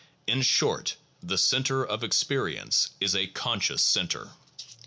In short, the center of experience is a conscious center.